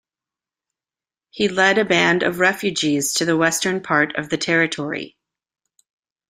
He led a band of refugees to the western part of the territory.